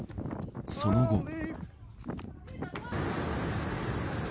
その後。